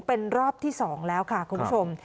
เป็นรอบที่๒แล้วค่ะคุณผู้ชม